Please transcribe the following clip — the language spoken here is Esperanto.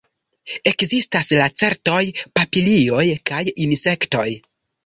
Ekzistas lacertoj, papilioj kaj insektoj.